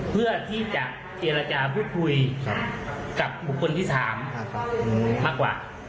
เพื่อที่จะเจรจาพูดคุยครับกับบุคคลที่สามอ่าครับอืมมากกว่า